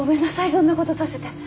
そんなことさせて